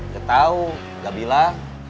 gak tau gak bilang